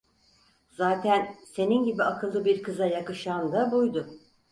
Zaten senin gibi akıllı bir kıza yakışan da buydu…